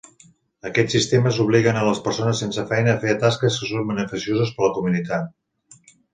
Aquests sistemes obliguen a les persones sense feina a fer tasques que són beneficioses per la comunitat.